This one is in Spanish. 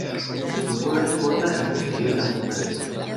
Su cola es corta y posee la punta negra.